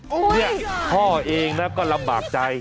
เฮ่ยพ่อเองแล้วก็ลำบากใจ